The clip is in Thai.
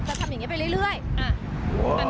๒๓จะทำอย่างนี้ไปเรียบ